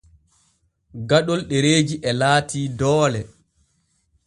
Gaɗol ɗereeji e laati doole.